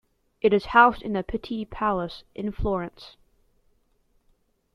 It is housed in the Pitti Palace in Florence.